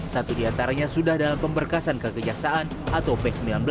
satu diantaranya sudah dalam pemberkasan kekejaksaan atau p sembilan belas